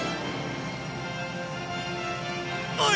おい！